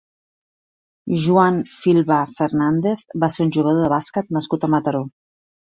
Joan Filbà Fernández va ser un jugador de bàsquet nascut a Mataró.